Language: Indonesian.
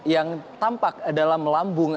yang tampak dalam lambung